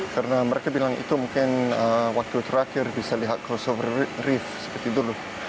karena mereka bilang itu mungkin waktu terakhir bisa lihat crossover reef seperti dulu